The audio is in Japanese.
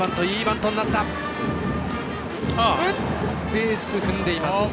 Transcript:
ベース、踏んでいます。